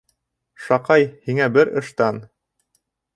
Шаҡай, һиңә бер ыштан.